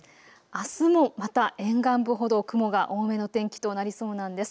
あすもまた沿岸部ほど雲が多めの天気となりそうなんです。